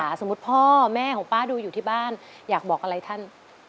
พี่สมบัติว่าพ่อป๊าดูอยู่ที่บ้านอยากบอกอะไรท่าน